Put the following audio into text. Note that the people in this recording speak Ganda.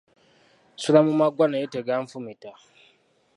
Nsula mu maggwa naye teganfumita.